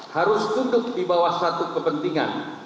harus duduk di bawah satu kepentingan